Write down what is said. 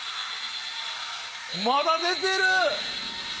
まだ出てる！